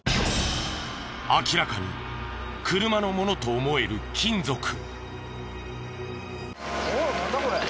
明らかに車のものと思える金属。